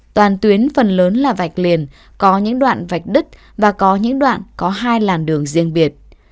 toàn tuyến phần lớn là vạch liền có những đoạn vạch đứt và có những đoạn có hai làn đường riêng biệt